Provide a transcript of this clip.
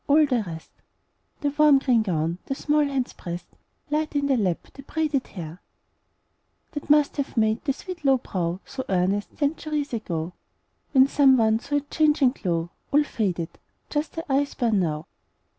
All the rest The warm green gown, the small hands pressed Light in the lap, the braided hair That must have made the sweet low brow So earnest, centuries ago, When some one saw it change and glow All faded! Just the eyes burn now.